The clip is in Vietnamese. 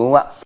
đúng không ạ